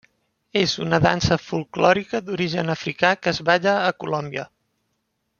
És una dansa folklòrica d'origen africà que es balla a Colòmbia.